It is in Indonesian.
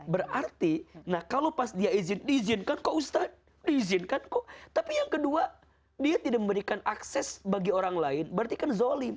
berarti nah kalau pas dia izin diizinkan kok ustadz diizinkan kok tapi yang kedua dia tidak memberikan akses bagi orang lain berarti kan zolim